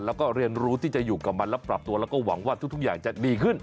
แล้วก็เรียนรู้ที่จะอยู่กับมันแล้วปรับตัวแล้วก็หวังว่าทุกอย่างจะดีขึ้น